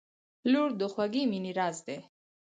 • لور د خوږې مینې راز دی.